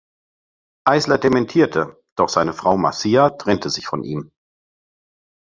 Eisler dementierte, doch seine Frau Marcia trennte sich von ihm.